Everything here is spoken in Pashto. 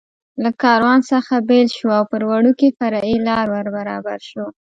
له کاروان څخه بېل شو او پر وړوکې فرعي لار ور برابر شو.